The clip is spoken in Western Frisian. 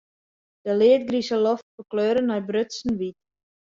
De leadgrize loft ferkleure nei brutsen wyt.